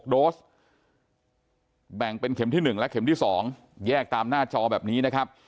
โดสแบ่งเป็นเข็มที่๑และเข็มที่๒แยกตามหน้าจอแบบนี้นะครับ